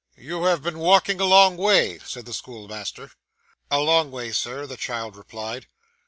'You have been walking a long way,' said the schoolmaster. 'A long way, Sir,' the child replied.